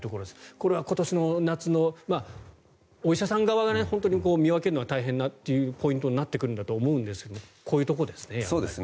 これは今年の夏のお医者さん側が本当に見分けるのが大変なポイントになってくると思うんですがこういうところですね。